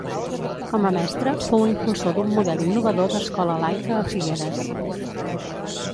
Com a mestre, fou impulsor d’un model innovador d’escola laica a Figueres.